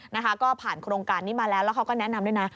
นะคะก็ผ่านโครงการนี้มาแล้วแล้วเขาก็แนะนำด้วยนะ